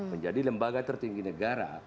menjadi lembaga tertinggi negara